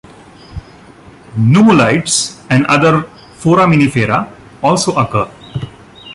Nummulites and other foraminifera also occur.